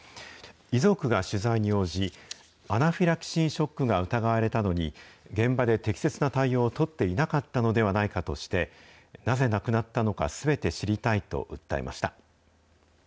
遺族が取材に応じ、アナフィラキシーショックが疑われたのに、現場で適切な対応を取っていなかったのではないかとして、なぜ亡くなったのか、すべて知りたいと訴えました。